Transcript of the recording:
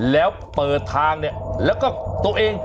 แล้วเปิดทางเนี่ยแล้วก็ตัวเอง